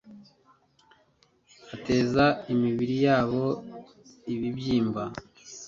ateza imibiri yabo ibibyimba